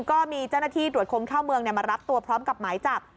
ก็มีเจ้าหน้าที่ตรวจคนเข้าเมืองมารับตัวพร้อมกับหมายจับ